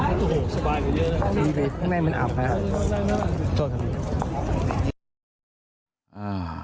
นี่เห็นเหรอครับโอ้โหสบายกันเยอะ